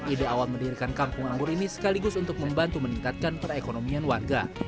ide awal mendirikan kampung anggur ini sekaligus untuk membantu meningkatkan perekonomian warga